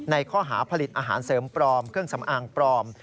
ข้อหาผลิตอาหารเสริมปลอมเครื่องสำอางปลอม